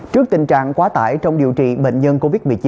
trước tình trạng quá tải trong điều trị bệnh nhân covid một mươi chín